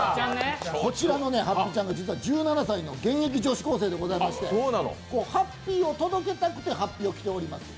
こちらのはっぴちゃん、実は１７歳の現役女子高生でございましてハッピーを届けたくて法被を着ております。